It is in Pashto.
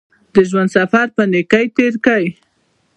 د ژوند سفر په نېکۍ تېر کړئ.